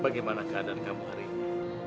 bagaimana keadaan kamu hari ini